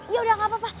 yaudah gak apa apa